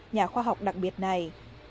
nhà khoa học đặc biệt này